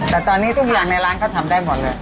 แต่ตอนนี้ทุกอย่างในร้านเขาทำได้หมดเลย